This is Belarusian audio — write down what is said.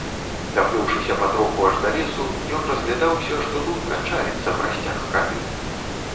Даплёўшыся патроху аж да лесу, ён разглядаўся, што тут канчаецца прасцяг хады.